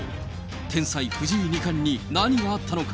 天才、藤井二冠に何があったのか。